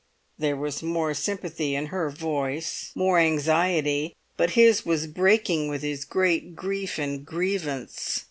There was more sympathy in her voice, more anxiety; but his was breaking with his great grief and grievance.